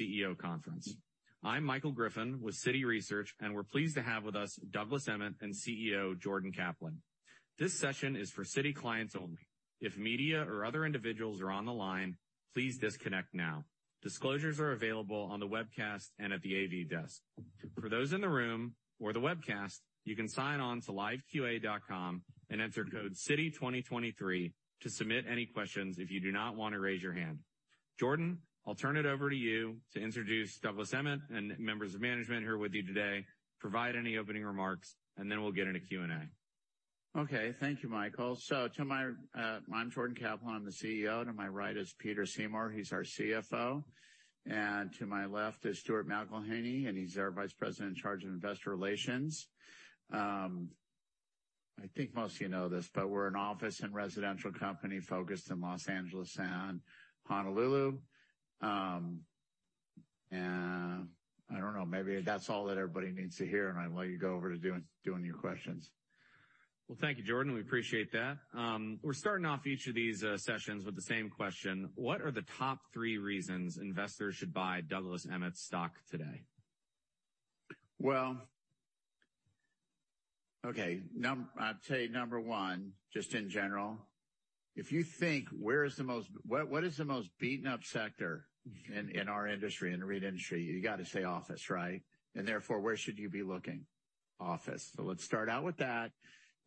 Property CEO conference. I'm Michael Griffin with Citi Research, and we're pleased to have with us Douglas Emmett and CEO Jordan Kaplan. This session is for Citi clients only. If media or other individuals are on the line, please disconnect now. Disclosures are available on the webcast and at the AV desk. For those in the room or the webcast, you can sign on to LiveQA.com and enter code Citi 2023 to submit any questions if you do not want to raise your hand. Jordan, I'll turn it over to you to introduce Douglas Emmett and members of management here with you today, provide any opening remarks, and then we'll get into Q and A. Okay. Thank you, Michael. To my, I'm Jordan Kaplan, I'm the CEO. To my right is Peter Seymour, he's our CFO. To my left is Stuart McElhinney, and he's our vice president in charge of investor relations. I think most of you know this, but we're an office and residential company focused in Los Angeles and Honolulu. I don't know, maybe that's all that everybody needs to hear, and I'll let you go over to doing your questions. Thank you, Jordan. We appreciate that. We're starting off each of these sessions with the same question. What are the top three reasons investors should buy Douglas Emmett stock today? Well, okay. I'll tell you number one, just in general, if you think where is the most beaten up sector in our industry, in the REIT industry, you gotta say office, right? Therefore, where should you be looking? Office. Let's start out with that.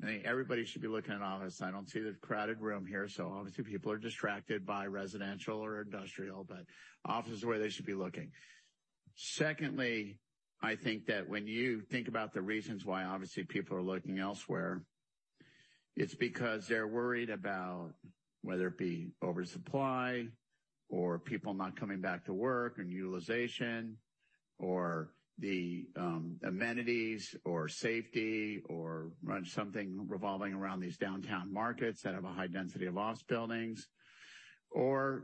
I think everybody should be looking at office. I don't see the crowded room here, so obviously people are distracted by residential or industrial, but office is where they should be looking. Secondly, I think that when you think about the reasons why obviously people are looking elsewhere, it's because they're worried about whether it be oversupply or people not coming back to work and utilization or the amenities or safety or something revolving around these downtown markets that have a high density of office buildings.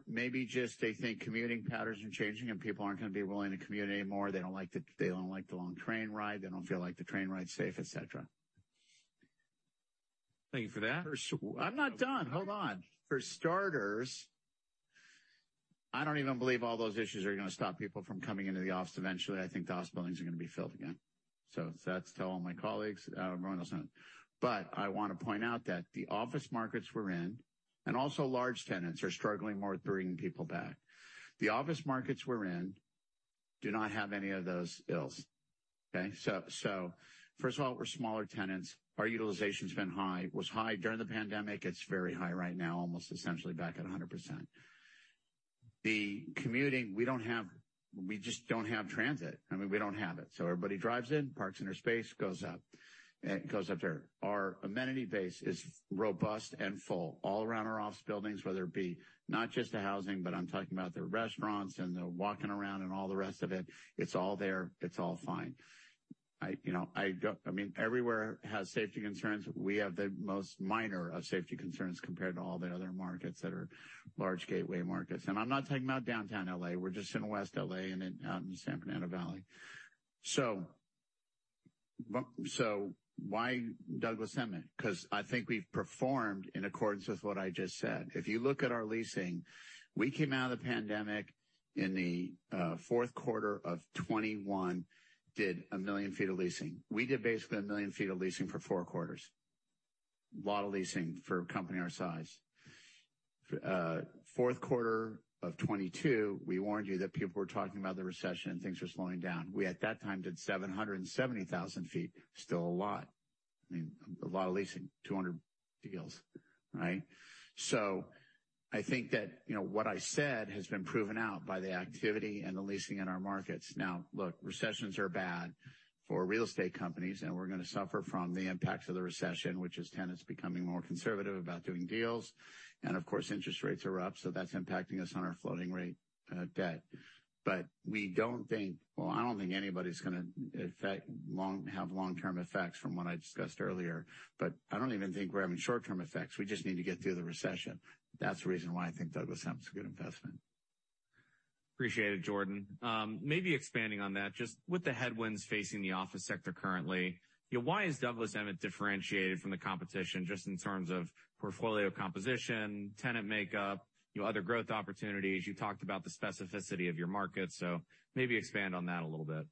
Maybe just they think commuting patterns are changing and people aren't gonna be willing to commute anymore. They don't like the, they don't like the long train ride, they don't feel like the train ride's safe, et cetera. Thank you for that. I'm not done. Hold on. For starters, I don't even believe all those issues are gonna stop people from coming into the office eventually. I think the office buildings are gonna be filled again. tell all my colleagues, we're almost done. I wanna point out that the office markets we're in, and also large tenants are struggling more to bring people back. The office markets we're in do not have any of those ills. Okay? first of all, we're smaller tenants. Our utilization's been high. It was high during the pandemic. It's very high right now, almost essentially back at 100%. The commuting, we don't have. We just don't have transit. I mean, we don't have it. Everybody drives in, parks in their space, goes up, goes up there. Our amenity base is robust and full all around our office buildings, whether it be not just the housing, but I'm talking about the restaurants and the walking around and all the rest of it. It's all there. It's all fine. I, you know, I mean, everywhere has safety concerns. We have the most minor of safety concerns compared to all the other markets that are large gateway markets. I'm not talking about downtown L.A., we're just in West L.A. and in, out in San Fernando Valley. Why Douglas Emmett? 'Cause I think we've performed in accordance with what I just said. If you look at our leasing, we came out of the pandemic in the fourth quarter of 2021, did 1 million ft of leasing. We did basically 1 million ft of leasing for four quarters. Lot of leasing for a company our size. fourth quarter of 2022, we warned you that people were talking about the recession and things were slowing down. We at that time did 770,000 ft. Still a lot. I mean, a lot of leasing, 200 deals, right? I think that, you know, what I said has been proven out by the activity and the leasing in our markets. Now look, recessions are bad for real estate companies, and we're gonna suffer from the impacts of the recession, which is tenants becoming more conservative about doing deals. Of course, interest rates are up, so that's impacting us on our floating rate debt. We don't think, well, I don't think anybody's gonna have long-term effects from what I discussed earlier, but I don't even think we're having short-term effects. We just need to get through the recession. That's the reason why I think Douglas Emmett's a good investment. Appreciate it, Jordan. Maybe expanding on that, just with the headwinds facing the office sector currently, you know, why is Douglas Emmett differentiated from the competition just in terms of portfolio composition, tenant makeup, you know, other growth opportunities? You talked about the specificity of your market, so maybe expand on that a little bit.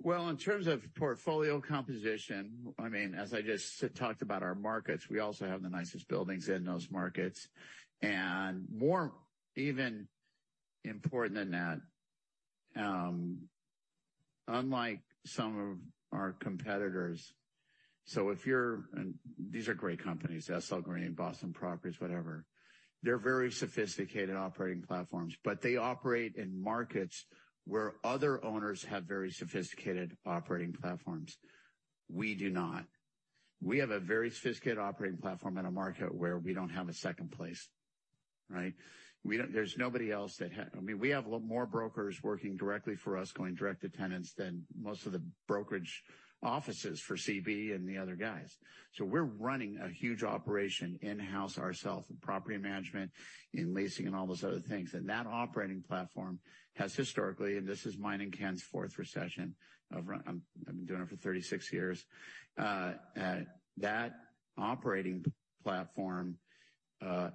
Well, in terms of portfolio composition, I mean, as I just talked about our markets, we also have the nicest buildings in those markets. More even important than that, unlike some of our competitors, so if you're... These are great companies, SL Green, Boston Properties, whatever. They're very sophisticated operating platforms, but they operate in markets where other owners have very sophisticated operating platforms. We do not. We have a very sophisticated operating platform in a market where we don't have a second place, right? There's nobody else that I mean, we have a lot more brokers working directly for us, going direct to tenants than most of the brokerage offices for CB and the other guys. We're running a huge operation in-house ourself, in property management, in leasing, and all those other things. That operating platform has historically, and this is mine and Ken's fourth recession. I've been doing it for 36 years. That operating platform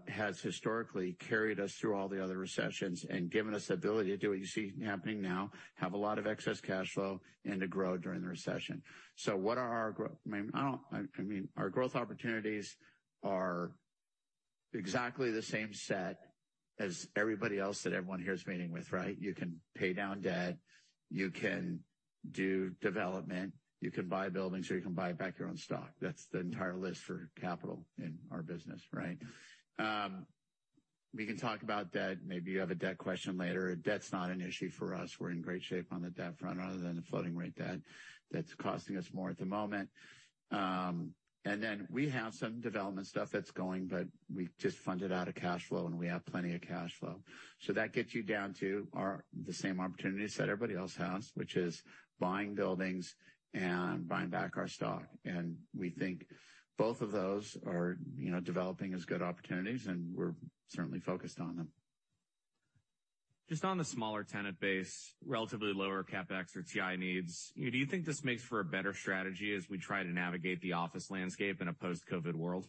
has historically carried us through all the other recessions and given us the ability to do what you see happening now, have a lot of excess cash flow and to grow during the recession. What are our I mean, our growth opportunities are exactly the same set as everybody else that everyone here is meeting with, right? You can pay down debt, you can do development, you can buy buildings, or you can buy back your own stock. That's the entire list for capital in our business, right? We can talk about debt. Maybe you have a debt question later. Debt's not an issue for us. We're in great shape on the debt front other than the floating rate debt that's costing us more at the moment. We have some development stuff that's going, but we just funded out of cash flow, and we have plenty of cash flow. That gets you down to our the same opportunities that everybody else has, which is buying buildings and buying back our stock. We think both of those are, you know, developing as good opportunities, and we're certainly focused on them. Just on the smaller tenant base, relatively lower CapEx or TI needs, do you think this makes for a better strategy as we try to navigate the office landscape in a post-COVID world?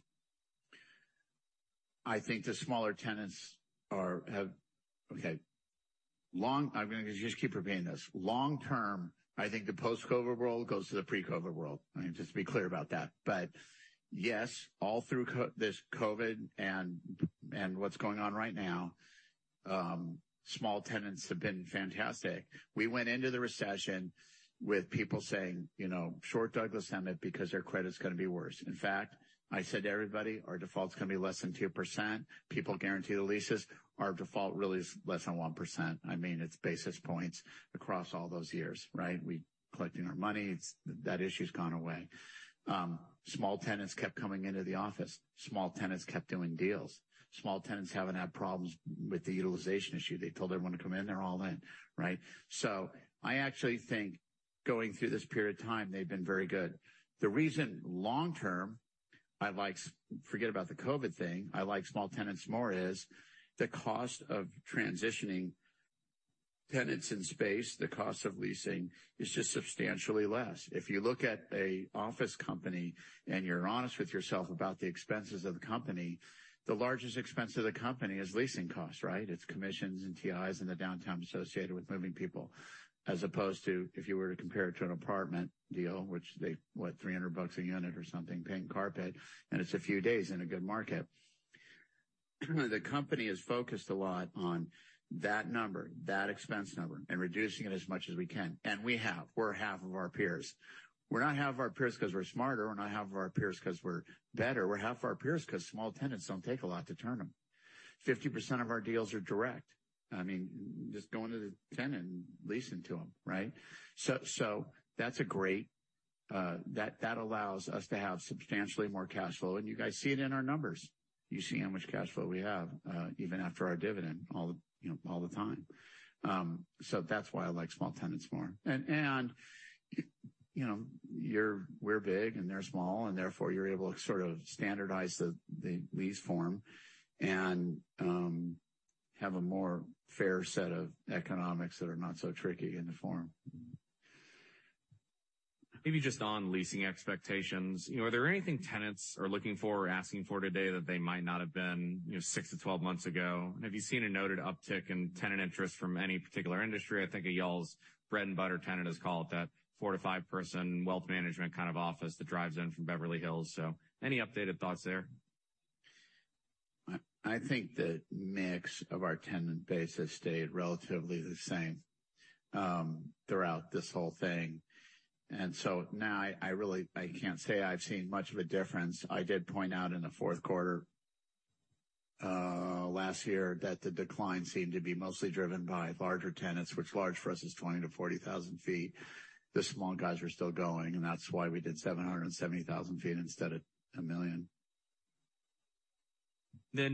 I think the smaller tenants. Okay. I'm gonna just keep repeating this. Long term, I think the post-COVID world goes to the pre-COVID world. I mean, just to be clear about that. Yes, all through this COVID and what's going on right now, small tenants have been fantastic. We went into the recession with people saying, you know, short Douglas Emmett because their credit is gonna be worse. In fact, I said to everybody, our default's gonna be less than 2%. People guarantee the leases. Our default really is less than 1%. I mean, it's basis points across all those years, right? We collecting our money. That issue's gone away. Small tenants kept coming into the office. Small tenants kept doing deals. Small tenants haven't had problems with the utilization issue. They told everyone to come in, they're all in, right? I actually think going through this period of time, they've been very good. The reason long term, I like forget about the COVID thing. I like small tenants more is the cost of transitioning tenants in space, the cost of leasing is just substantially less. If you look at a office company and you're honest with yourself about the expenses of the company, the largest expense of the company is leasing costs, right? It's commissions and TIs and the downtime associated with moving people. As opposed to, if you were to compare it to an apartment deal, which they, what, $300 a unit or something, paying carpet, and it's a few days in a good market. The company is focused a lot on that number, that expense number, and reducing it as much as we can. We have. We're half of our peers. We're not half of our peers 'cause we're smarter. We're not half of our peers 'cause we're better. We're half of our peers 'cause small tenants don't take a lot to turn them. 50% of our deals are direct. I mean, just going to the tenant and leasing to them, right? That's a great. That allows us to have substantially more cash flow, and you guys see it in our numbers. You see how much cash flow we have, even after our dividend all the, you know, all the time. That's why I like small tenants more. You know, we're big and they're small, and therefore, you're able to sort of standardize the lease form and have a more fair set of economics that are not so tricky in the form. Maybe just on leasing expectations, you know, are there anything tenants are looking for or asking for today that they might not have been, you know, six-12 months ago? Have you seen a noted uptick in tenant interest from any particular industry? I think y'all's bread and butter tenant is called that four to five person wealth management kind of office that drives in from Beverly Hills. Any updated thoughts there? I think the mix of our tenant base has stayed relatively the same throughout this whole thing. Now I really can't say I've seen much of a difference. I did point out in the fourth quarter last year that the decline seemed to be mostly driven by larger tenants, which large for us is 20,000 ft-40,000 ft. The small guys are still going, and that's why we did 770,000 ft instead of 1 million.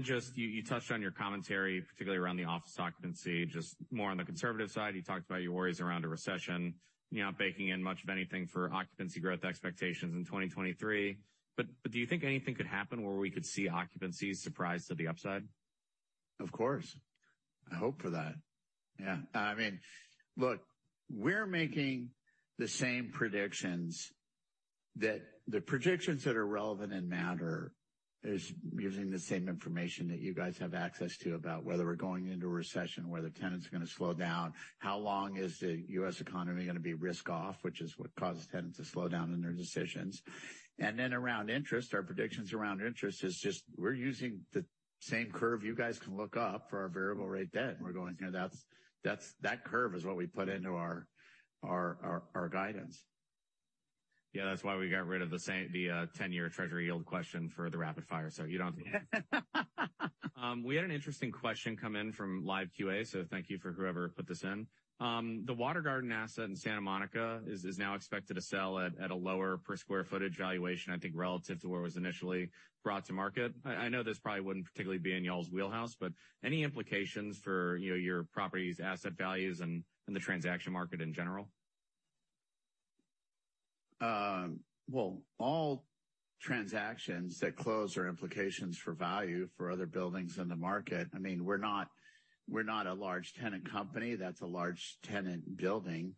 Just you touched on your commentary, particularly around the office occupancy, just more on the conservative side. You talked about your worries around a recession, you're not baking in much of anything for occupancy growth expectations in 2023. Do you think anything could happen where we could see occupancies surprise to the upside? Of course. I hope for that. Yeah. I mean, look, we're making the same predictions that the predictions that are relevant and matter is using the same information that you guys have access to about whether we're going into a recession, whether tenants are going to slow down, how long is the U.S. economy going to be risk off, which is what causes tenants to slow down in their decisions. Then around interest, our predictions around interest is just we're using the same curve you guys can look up for our variable rate debt, and we're going, "Yeah, that's that curve is what we put into our guidance. That's why we got rid of the 10-year treasury yield question for the rapid fire. We had an interesting question come in from LiveQA, thank you for whoever put this in. The Water Garden asset in Santa Monica is now expected to sell at a lower per square footage valuation, I think, relative to where it was initially brought to market. I know this probably wouldn't particularly be in y'all's wheelhouse, any implications for, you know, your property's asset values and the transaction market in general? Well, all transactions that close are implications for value for other buildings in the market. I mean, we're not, we're not a large tenant company. That's a large tenant building.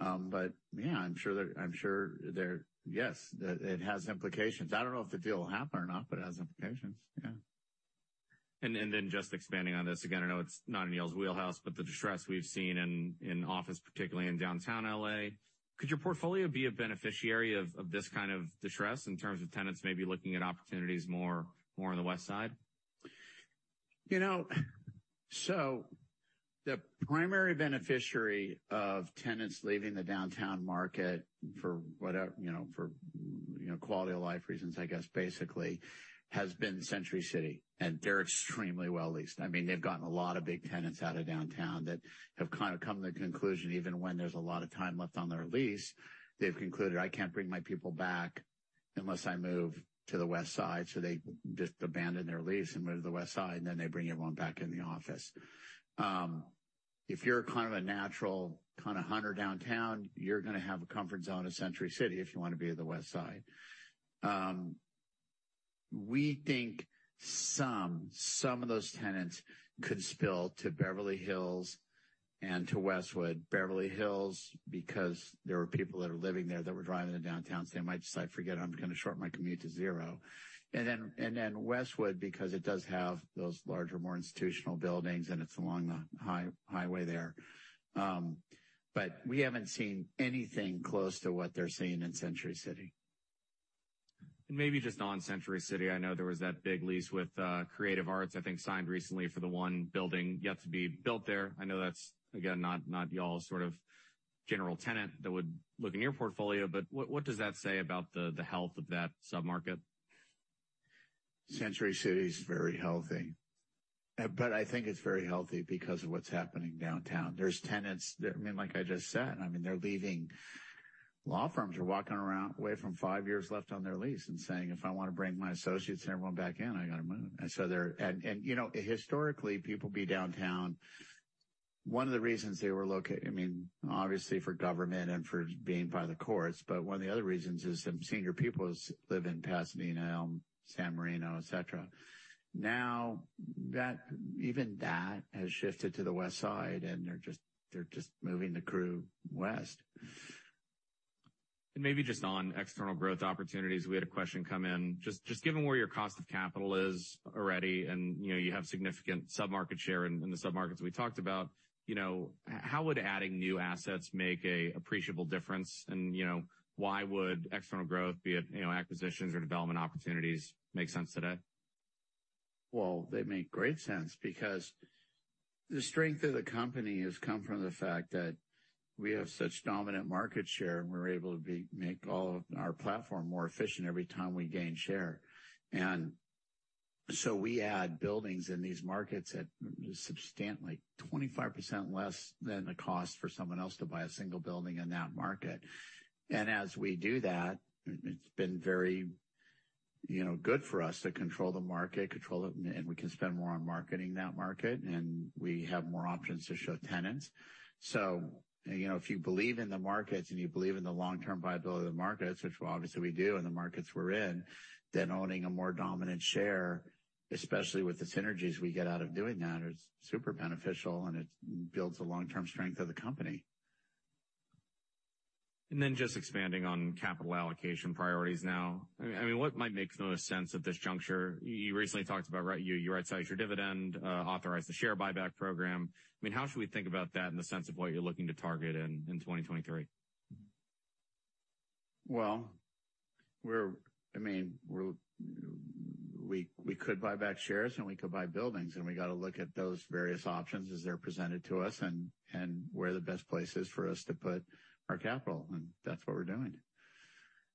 Yeah, I'm sure they're. Yes, it has implications. I don't know if the deal will happen or not, but it has implications. Yeah. Just expanding on this again, I know it's not in y'all's wheelhouse, the distress we've seen in office, particularly in downtown L.A. Could your portfolio be a beneficiary of this kind of distress in terms of tenants maybe looking at opportunities more on the Westside? You know, the primary beneficiary of tenants leaving the downtown market for you know, for, you know, quality of life reasons, I guess, basically, has been Century City, and they're extremely well-leased. I mean, they've gotten a lot of big tenants out of downtown that have kinda come to the conclusion, even when there's a lot of time left on their lease, they've concluded, "I can't bring my people back unless I move to the Westside." They just abandon their lease and move to the Westside, and then they bring everyone back in the office. If you're kind of a natural kinda hunter downtown, you're gonna have a comfort zone at Century City if you wanna be at the Westside. We think some of those tenants could spill to Beverly Hills and to Westwood. Beverly Hills because there are people that are living there that were driving to downtown, saying, "I might decide, forget it, I'm gonna shorten my commute to zero." Then Westwood because it does have those larger, more institutional buildings, and it's along the high-highway there. We haven't seen anything close to what they're seeing in Century City. Maybe just on Century City, I know there was that big lease with Creative Arts, I think, signed recently for the one building yet to be built there. I know that's, again, not y'all's sort of general tenant that would look in your portfolio, but what does that say about the health of that sub-market? Century City is very healthy. I think it's very healthy because of what's happening downtown. There's tenants that, I mean, like I just said, they're leaving. Law firms are walking around, away from five years left on their lease and saying, "If I wanna bring my associates and everyone back in, I gotta move." You know, historically, people be downtown. One of the reasons they were located, I mean, obviously for government and for being by the courts, but one of the other reasons is some senior peoples live in Pasadena, San Marino, et cetera. Now, that, even that has shifted to the Westside, and they're just moving the crew west. Maybe just on external growth opportunities, we had a question come in. Just given where your cost of capital is already and, you know, you have significant sub-market share in the sub-markets we talked about, you know, how would adding new assets make a appreciable difference? You know, why would external growth, be it, you know, acquisitions or development opportunities, make sense today? Well, they make great sense because the strength of the company has come from the fact that we have such dominant market share, and we're able to make all of our platform more efficient every time we gain share. We add buildings in these markets at substantively 25% less than the cost for someone else to buy a single building in that market. As we do that, it's been very, you know, good for us to control the market, and we can spend more on marketing that market, and we have more options to show tenants. You know, if you believe in the markets and you believe in the long-term viability of the markets, which obviously we do in the markets we're in, then owning a more dominant share, especially with the synergies we get out of doing that, is super beneficial, and it builds the long-term strength of the company. Just expanding on capital allocation priorities now. I mean, what might make the most sense at this juncture? You recently talked about, right, you right-sized your dividend, authorized the share buyback program. I mean, how should we think about that in the sense of what you're looking to target in 2023? Well, I mean, we could buy back shares, and we could buy buildings, and we gotta look at those various options as they're presented to us and where the best place is for us to put our capital, and that's what we're doing.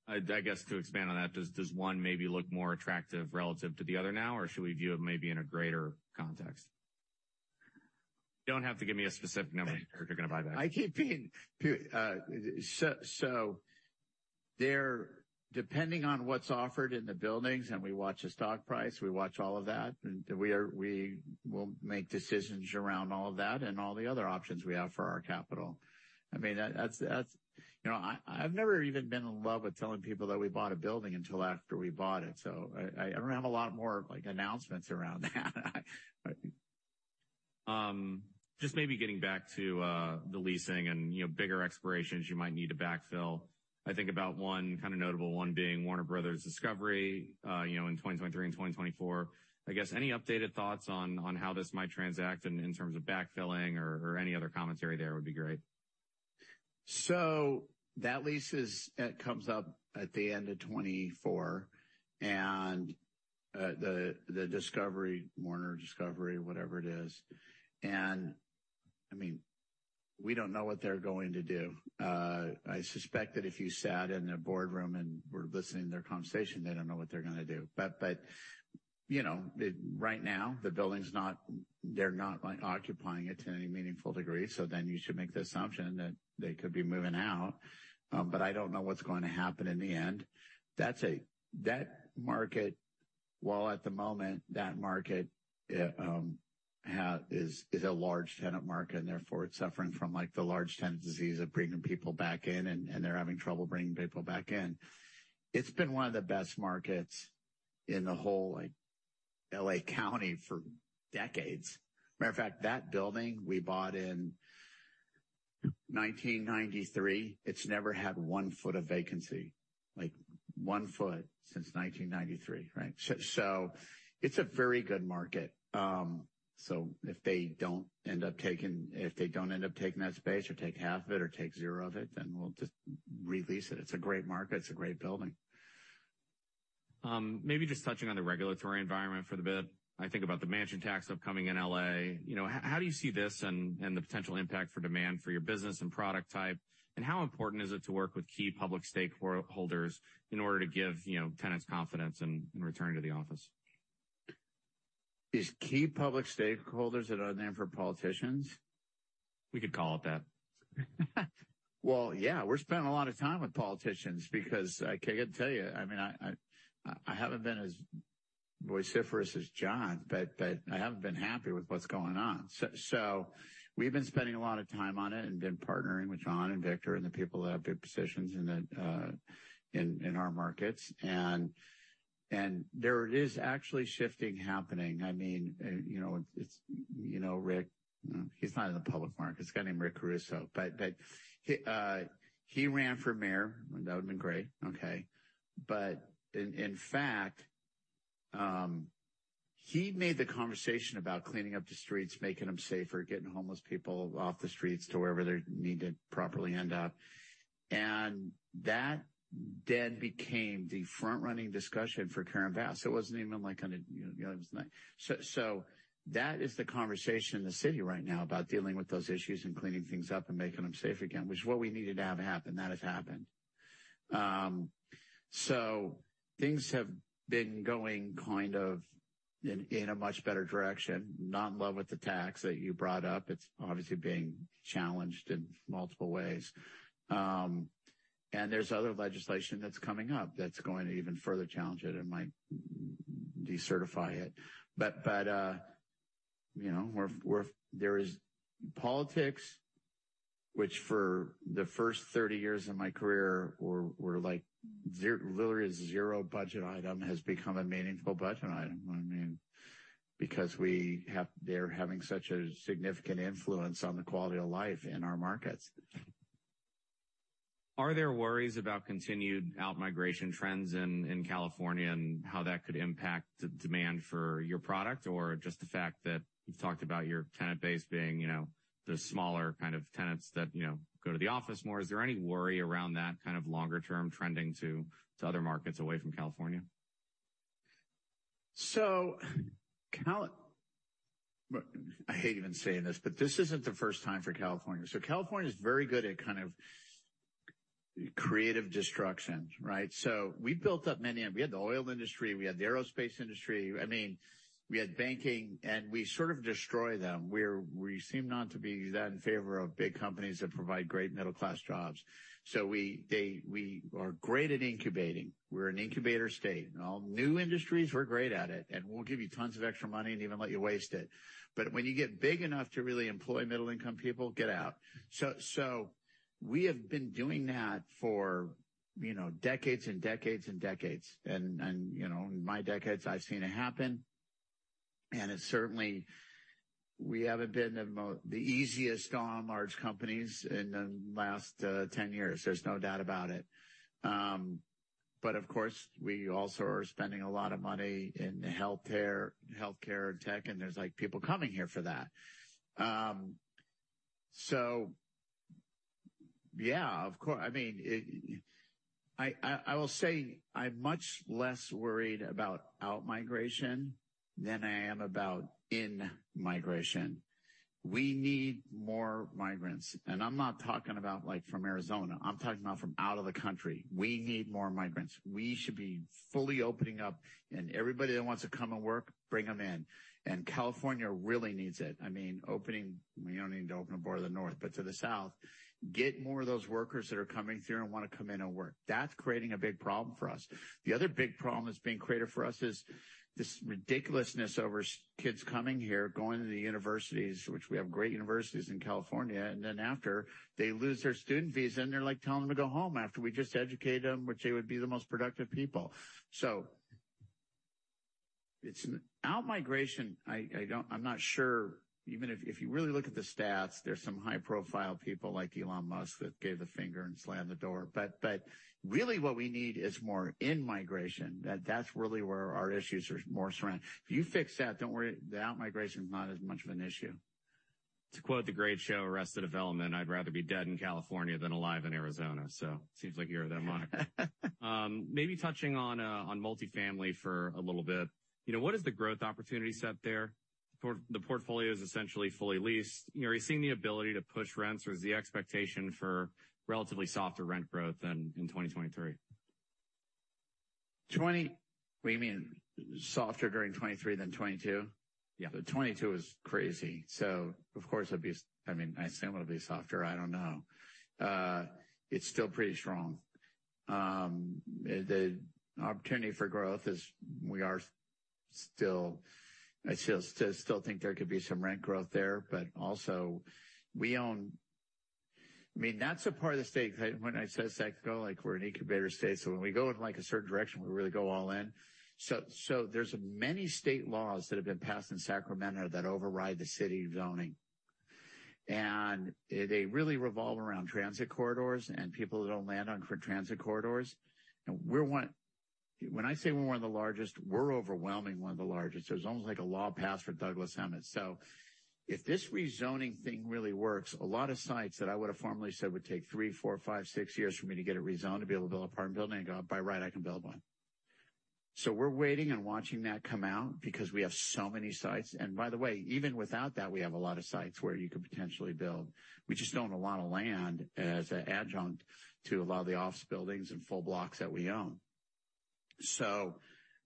I guess to expand on that, does one maybe look more attractive relative to the other now, or should we view it maybe in a greater context? Don't have to give me a specific number if you're gonna buyback. They're, depending on what's offered in the buildings, and we watch the stock price, we watch all of that, and we will make decisions around all of that and all the other options we have for our capital. I mean, that's... You know, I've never even been in love with telling people that we bought a building until after we bought it, I don't have a lot more, like, announcements around that. Just maybe getting back to the leasing and, you know, bigger expirations you might need to backfill. I think about one, kinda notable one being Warner Bros. Discovery, you know, in 2023 and 2024. I guess any updated thoughts on how this might transact in terms of backfilling or any other commentary there would be great. That lease is, comes up at the end of 2024, and Discovery, Warner Discovery, whatever it is, and I mean, we don't know what they're going to do. I suspect that if you sat in their boardroom and were listening to their conversation, they don't know what they're gonna do. you know, it, right now the building's not, they're not, like, occupying it to any meaningful degree, you should make the assumption that they could be moving out. I don't know what's going to happen in the end. At the moment, that market is a large tenant market and therefore it's suffering from, like, the large tenant disease of bringing people back in and they're having trouble bringing people back in. It's been one of the best markets in the whole, like, L.A. County for decades. Matter of fact, that building we bought in 1993, it's never had 1 ft of vacancy. Like 1 foot since 1993, right? It's a very good market. If they don't end up taking that space or take half of it or take zero of it, then we'll just re-lease it. It's a great market. It's a great building. Maybe just touching on the regulatory environment for the bit. I think about the mansion tax upcoming in L.A. You know, how do you see this and the potential impact for demand for your business and product type? How important is it to work with key public stakeholders in order to give, you know, tenants confidence in returning to the office? Is key public stakeholders another name for politicians? We could call it that. Yeah, we're spending a lot of time with politicians because I gotta tell you, I mean, I haven't been as vociferous as John, but I haven't been happy with what's going on. We've been spending a lot of time on it and been partnering with John and Victor and the people that have good positions in the in our markets. There is actually shifting happening. I mean, you know, it's, you know, Rick, he's not in the public markets. Guy named Rick Caruso. He ran for mayor, and that would've been great, okay. In fact, he made the conversation about cleaning up the streets, making them safer, getting homeless people off the streets to wherever they're needed properly end up. That then became the front-running discussion for Karen Bass. It wasn't even, like, on a, you know, it was not. That is the conversation in the city right now about dealing with those issues and cleaning things up and making them safe again, which is what we needed to have happen. That has happened. Things have been going kind of in a much better direction. Not in love with the tax that you brought up. It's obviously being challenged in multiple ways. There's other legislation that's coming up that's going to even further challenge it. It might decertify it. You know, we're there is politics, which for the first 30 years of my career were like literally zero budget item has become a meaningful budget item. I mean, because they're having such a significant influence on the quality of life in our markets. Are there worries about continued outmigration trends in California and how that could impact demand for your product, or just the fact that you've talked about your tenant base being, you know, the smaller kind of tenants that, you know, go to the office more, is there any worry around that kind of longer term trending to other markets away from California? Look, I hate even saying this, but this isn't the first time for California. California is very good at kind of creative destruction, right? We built up. We had the oil industry. We had the aerospace industry. I mean, we had banking, and we sort of destroy them. We seem not to be that in favor of big companies that provide great middle class jobs. We are great at incubating. We're an incubator state. All new industries, we're great at it, and we'll give you tons of extra money and even let you waste it. When you get big enough to really employ middle income people, get out. We have been doing that for, you know, decades and decades and decades. You know, in my decades, I've seen it happen. It's certainly we haven't been the easiest on large companies in the last 10 years. There's no doubt about it. Of course, we also are spending a lot of money in healthcare tech, and there's, like, people coming here for that. Yeah, I mean, it, I, I will say I'm much less worried about outmigration than I am about inmigration. We need more migrants, I'm not talking about, like, from Arizona. I'm talking about from out of the country. We need more migrants. We should be fully opening up, everybody that wants to come and work, bring them in. California really needs it. I mean, opening, we don't need to open the border to the north, but to the south, get more of those workers that are coming through and wanna come in and work. That's creating a big problem for us. The other big problem that's being created for us is this ridiculousness over kids coming here, going to the universities, which we have great universities in California, and then after they lose their student visa, and they're, like, telling them to go home after we just educate them, which they would be the most productive people. It's an outmigration, I don't I'm not sure, even if you really look at the stats, there's some high profile people like Elon Musk that gave the finger and slammed the door. Really what we need is more inmigration. That's really where our issues are more surround. If you fix that, don't worry, the outmigration is not as much of an issue. To quote the great show, Arrested Development, "I'd rather be dead in California than alive in Arizona." Seems like you're of that mind. maybe touching on multifamily for a little bit. You know, what is the growth opportunity set there? the portfolio is essentially fully leased. You know, are you seeing the ability to push rents, or is the expectation for relatively softer rent growth in 2023? What do you mean? Softer during 2023 than 2022? Yeah. The 2022 is crazy. Of course, I mean, I assume it'll be softer. I don't know. It's still pretty strong. The opportunity for growth is we are still, I still think there could be some rent growth there, also we own... I mean, that's a part of the state. When I said Sac Go, like we're an incubator state, when we go in, like, a certain direction, we really go all in. There's many state laws that have been passed in Sacramento that override the city zoning. They really revolve around transit corridors and people that own land on, for transit corridors. When I say we're one of the largest, we're overwhelmingly one of the largest. There's almost like a law passed for Douglas Emmett. If this rezoning thing really works, a lot of sites that I would have formerly said would take three, four, five, six years for me to get it rezoned to be able to build an apartment building, I go, by right, I can build one. We're waiting and watching that come out because we have so many sites. By the way, even without that, we have a lot of sites where you could potentially build. We just own a lot of land as an adjunct to a lot of the office buildings and full blocks that we own.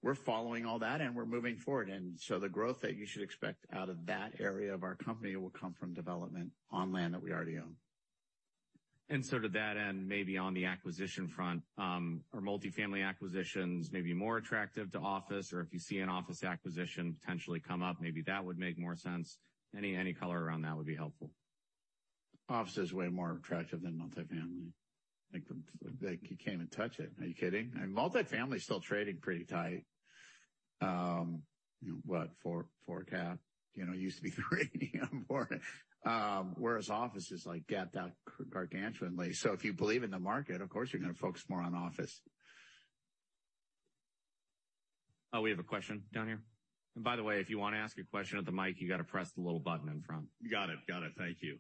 We're following all that, and we're moving forward. The growth that you should expect out of that area of our company will come from development on land that we already own. To that end, maybe on the acquisition front, are multifamily acquisitions maybe more attractive to office? Or if you see an office acquisition potentially come up, maybe that would make more sense. Any color around that would be helpful. Office is way more attractive than multifamily. Like, you can't even touch it. Are you kidding? I mean, multifamily is still trading pretty tight. What, four cap? You know, it used to be trading more. Whereas office is like, gap down gargantuanly. If you believe in the market, of course, you're going to focus more on office. Oh, we have a question down here. By the way, if you want to ask a question at the mic, you got to press the little button in front. Got it. Got it. Thank you.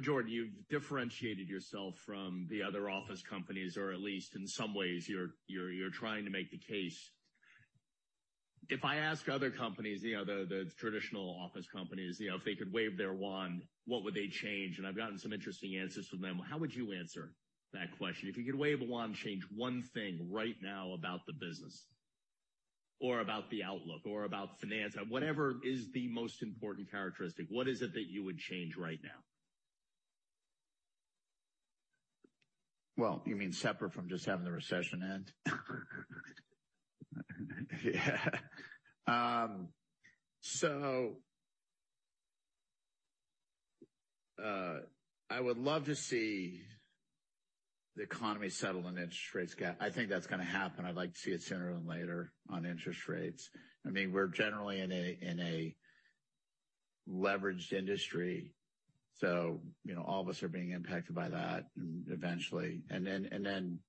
Jordan, you've differentiated yourself from the other office companies, or at least in some ways, you're trying to make the case. If I ask other companies, you know, the traditional office companies, you know, if they could wave their wand, what would they change? I've gotten some interesting answers from them. How would you answer that question? If you could wave a wand and change one thing right now about the business or about the outlook or about finance, whatever is the most important characteristic, what is it that you would change right now? Well, you mean separate from just having the recession end? I would love to see the economy settle and interest rates go... I think that's going to happen. I'd like to see it sooner than later on interest rates. I mean, we're generally in a leveraged industry, so, you know, all of us are being impacted by that eventually. Then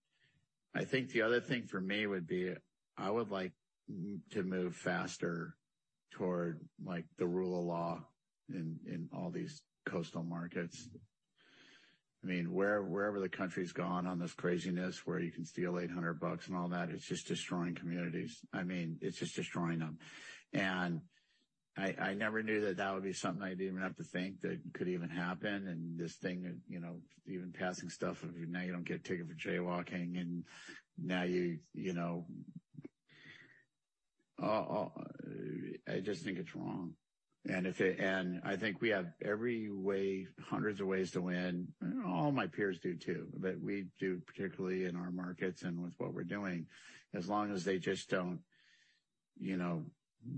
I think the other thing for me would be I would like to move faster toward, like, the rule of law in all these coastal markets. I mean, wherever the country's gone on this craziness where you can steal $800 and all that, it's just destroying communities. I mean, it's just destroying them. I never knew that that would be something I'd even have to think that could even happen. This thing, you know, even passing stuff, now you don't get a ticket for jaywalking, and now you know. I just think it's wrong. I think we have every way, hundreds of ways to win. All my peers do, too. We do, particularly in our markets and with what we're doing, as long as they just don't, you know,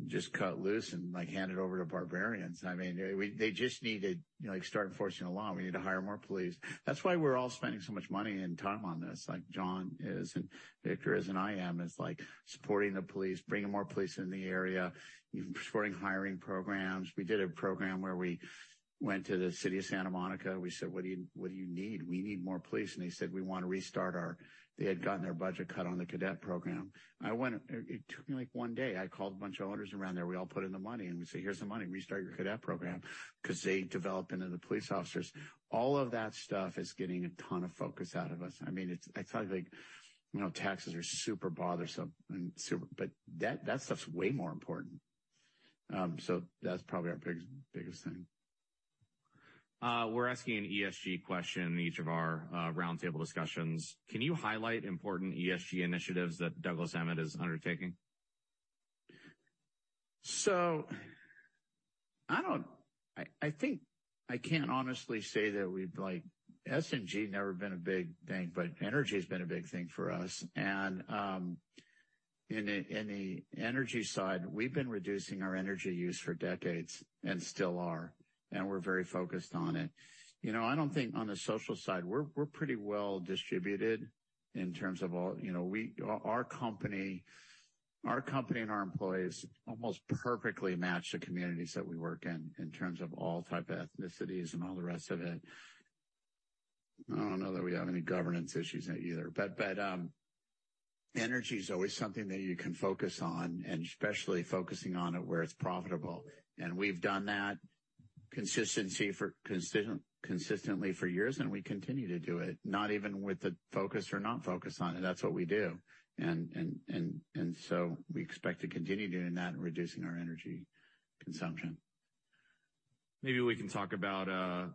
just cut loose and, like, hand it over to barbarians. I mean, they just need to, you know, like, start enforcing the law. We need to hire more police. That's why we're all spending so much money and time on this, like John is and Victor is, and I am, is like, supporting the police, bringing more police in the area, supporting hiring programs. We did a program where we went to the city of Santa Monica. We said, "What do you need? We need more police." They said, "We want to restart our..." They had gotten their budget cut on the cadet program. It took me, like, one day. I called a bunch of owners around there. We all put in the money, we say, "Here's the money. Restart your cadet program." They develop into the police officers. All of that stuff is getting a ton of focus out of us. I mean, it's, I thought, like, you know, taxes are super bothersome, but that stuff's way more important. That's probably our biggest thing. We're asking an ESG question in each of our roundtable discussions. Can you highlight important ESG initiatives that Douglas Emmett is undertaking? I think I can't honestly say that we've, like, ESG never been a big thing, but energy has been a big thing for us. In the energy side, we've been reducing our energy use for decades and still are, and we're very focused on it. You know, I don't think on the social side, we're pretty well distributed in terms of all... You know, our company and our employees almost perfectly match the communities that we work in terms of all type of ethnicities and all the rest of it. I don't know that we have any governance issues either. Energy is always something that you can focus on and especially focusing on it where it's profitable. We've done that consistency for consistently for years, and we continue to do it, not even with the focus or not focus on it. That's what we do. We expect to continue doing that and reducing our energy consumption. Maybe we can talk about,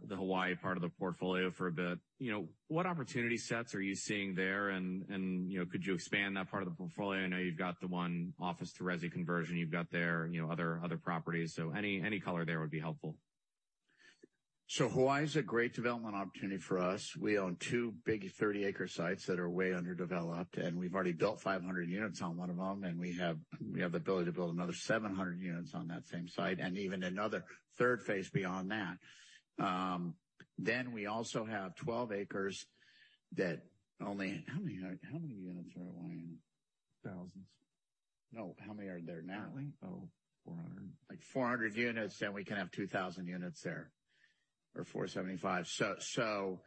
the Hawaii part of the portfolio for a bit. You know, what opportunity sets are you seeing there and, you know, could you expand that part of the portfolio? I know you've got the one office-to-residential conversion you've got there, you know, other properties. Any, any color there would be helpful. Hawaii is a great development opportunity for us. We own two big 30-acre sites that are way underdeveloped, and we've already built 500 units on one of them, and we have the ability to build another 700 units on that same site and even another third phase beyond that. We also have 12 acres. How many units are in Hawaii? Thousands. No. How many are there now? I think, oh, $400. Like 400 units, we can have 2,000 units there, or 475.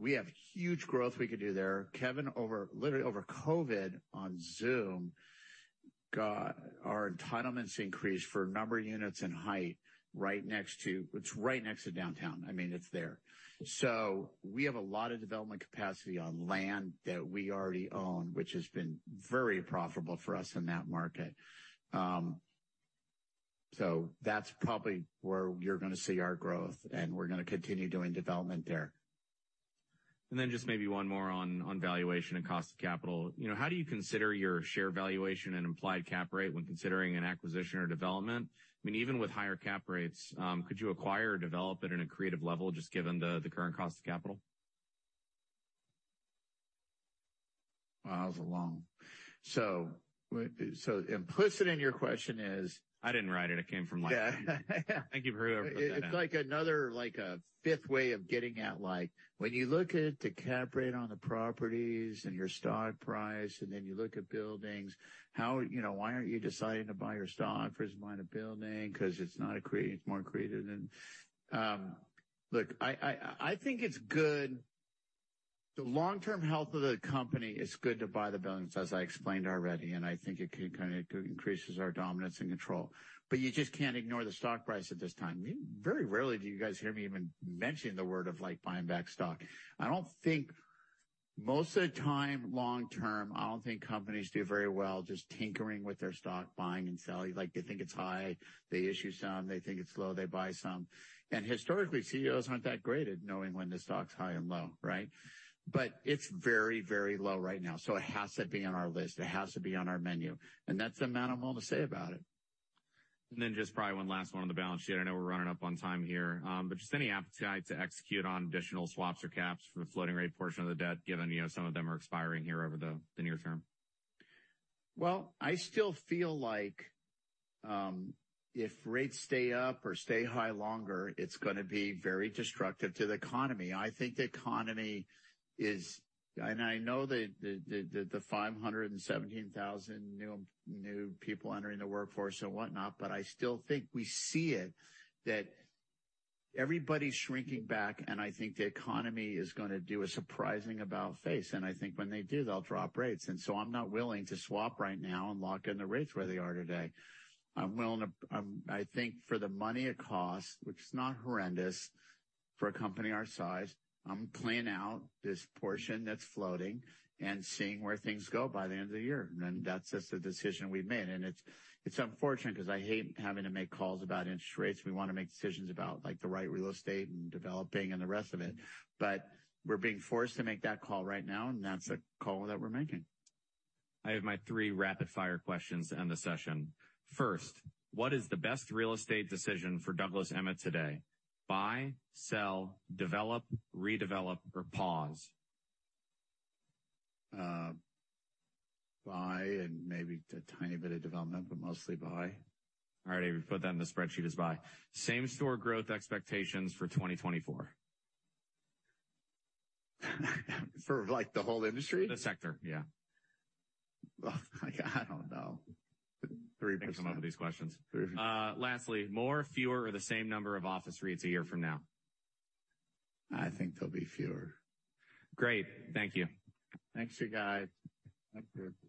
We have huge growth we could do there. Kevin, literally over Covid on Zoom, got our entitlements increased for number of units and height right next to. It's right next to downtown. I mean, it's there. We have a lot of development capacity on land that we already own, which has been very profitable for us in that market. That's probably where you're gonna see our growth, and we're gonna continue doing development there. Then just maybe one more on valuation and cost of capital. You know, how do you consider your share valuation and implied cap rate when considering an acquisition or development? I mean, even with higher cap rates, could you acquire or develop it in a creative level just given the current cost of capital? Wow, that was long. Implicit in your question. I didn't write it. It came from like- Yeah. I think you've heard it. It's like another, like a fifth way of getting at, like when you look at the cap rate on the properties and your stock price, and then you look at buildings, how, you know, why aren't you deciding to buy your stock versus buying a building? 'Cause it's not a creative, more creative than. Look, I think it's good. The long-term health of the company is good to buy the buildings, as I explained already, and I think it kind of increases our dominance and control. You just can't ignore the stock price at this time. Very rarely do you guys hear me even mention the word of, like, buying back stock. Most of the time long term, I don't think companies do very well just tinkering with their stock, buying and selling. Like, they think it's high, they issue some. They think it's low, they buy some. Historically, CEOs aren't that great at knowing when the stock's high and low, right? It's very, very low right now, so it has to be on our list. It has to be on our menu. That's the amount I'm going to say about it. Just probably one last one on the balance sheet. I know we're running up on time here. Just any appetite to execute on additional swaps or caps for the floating rate portion of the debt, given, you know, some of them are expiring here over the near term? Well, I still feel like if rates stay up or stay high longer, it's gonna be very destructive to the economy. I think the economy is. I know the 517,000 new people entering the workforce and whatnot, but I still think we see it, that everybody's shrinking back. I think the economy is gonna do a surprising about face. I think when they do, they'll drop rates. I'm not willing to swap right now and lock in the rates where they are today. I'm willing to. I think for the money it costs, which is not horrendous for a company our size, I'm playing out this portion that's floating and seeing where things go by the end of the year. That's just the decision we've made. It's unfortunate 'cause I hate having to make calls about interest rates. We want to make decisions about, like, the right real estate and developing and the rest of it. We're being forced to make that call right now, and that's the call that we're making. I have my three rapid-fire questions to end the session. First, what is the best real estate decision for Douglas Emmett today? Buy, sell, develop, redevelop, or pause? buy and maybe a tiny bit of development, but mostly buy. All right. We put that in the spreadsheet as buy. Same store growth expectations for 2024. For, like, the whole industry? The sector, yeah. Oh, like, I don't know. 3%. Thanks for some of these questions. 3%. lastly, more, fewer or the same number of office REITs a year from now? I think th ere'll be fewer. Great. Thank you. Thanks, you guys. Thank you.